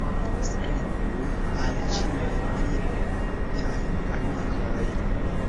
Skribu al ĉiuj viaj Hamburgaj amikoj.